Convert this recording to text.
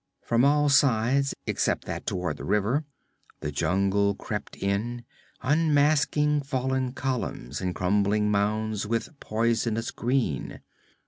From all sides except that toward the river, the jungle crept in, masking fallen columns and crumbling mounds with poisonous green.